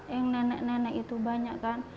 yang nenek nenek itu banyak kan